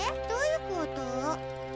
どういうこと？